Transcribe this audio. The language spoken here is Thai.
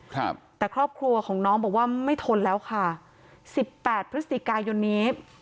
ครับแต่ครอบครัวของน้องบอกว่าไม่ทนแล้วค่ะสิบแปดพฤศจิกายนนี้